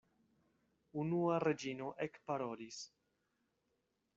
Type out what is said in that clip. Unua Reĝino ekparolis.